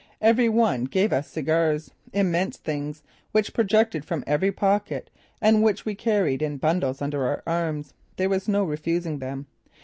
Every one gave us cigars, immense things, which projected from every pocket and which we carried in bundles under our arms. There was no refusing them.